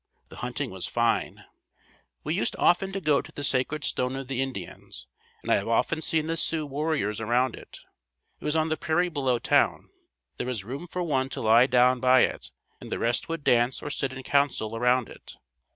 The hunting was fine. We used often to go to the sacred stone of the Indians and I have often seen the Sioux warriors around it. It was on the prairie below town. There was room for one to lie down by it and the rest would dance or sit in council around it.